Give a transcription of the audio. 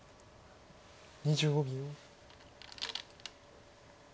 ２５秒。